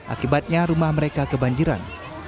akibatnya rumah mereka kebanjiran